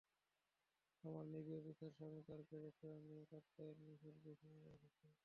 আমার navy officer স্বামী তার ক্যাডেটদের নিয়ে কাপ্তাইয়ের নেভাল বেসে এসেছেন।